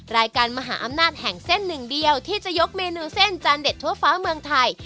รายการมหาอำนาจแห่งเส้นหนึ่งเดียวที่จะยกเมนูเส้นจานเด็ดทั่วฟ้าเมืองไทย